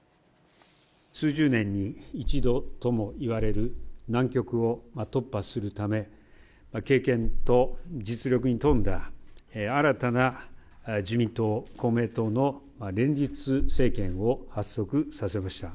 数十年に一度ともいわれる難局を突破するため、経験と実力に富んだ、新たな自民党、公明党の連立政権を発足させました。